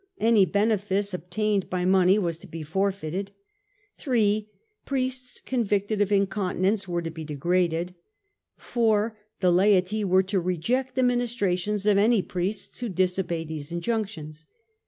any benefice obtained by money was to be forfeited ; (iii.) priests convicted of incontinence were to be degraded ; (iv.) the laity were to reject the ministrations of any priests who disobeyed these injunctions.